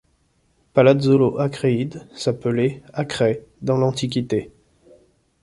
Palazzolo Acréide s'appelait Akrai dans l'Antiquité.